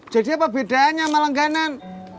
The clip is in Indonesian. jadi apa bedanya sama langganan